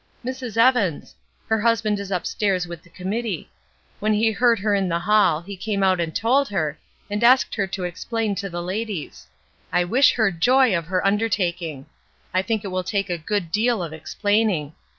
. "Mrs. Evans. Her husband is upstairs with the committee. When he heard her in the hall, he came out and told her, and asked her to ex plain to the ladies. I wish her joy of her under taking. I think it wiU take a good deal of explaining.